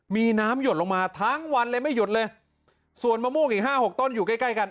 มีน้ำหยดลงมาทั้งวันเลยไม่หยุดเลยส่วนมะม่วงอีกห้าหกต้นอยู่ใกล้ใกล้กัน